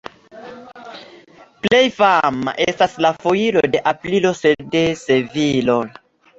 Plej fama estas la Foiro de Aprilo de Sevilo.